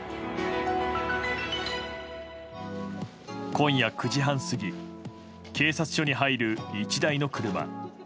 今夜９時半過ぎ警察署に入る１台の車。